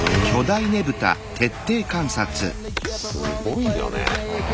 すごいよね。